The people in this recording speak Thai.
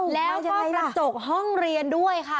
แล้วก็กระจกห้องเรียนด้วยค่ะ